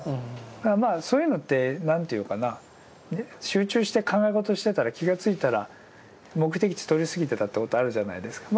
そういうのって何ていうかな集中して考え事をしてたら気がついたら目的地通り過ぎてたってことあるじゃないですか。